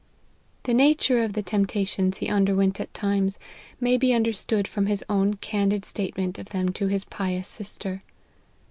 The nature of the temptations he underwent at times, may be understood from his own candid statement of them to his pious sister.